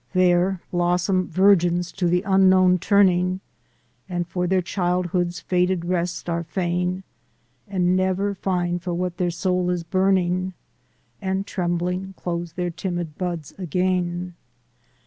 There blossom virgins to the unknown turning And for their childhood's faded rest are fain, And never find for what their soul is burning, And trembling close their timid buds again.